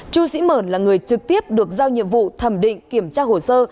chu sĩ mởn là người trực tiếp được giao nhiệm vụ thẩm định kiểm tra hồ sơ